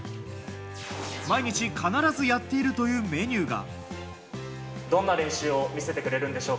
毎日必ずやっているというメニューが。